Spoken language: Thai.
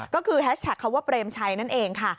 ก็คือแฮชแท็กคำว่าเปรมชัยนั่นเองค่ะ